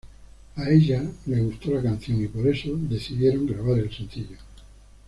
A ella le gustó la canción y, por esto, decidieron grabar el sencillo.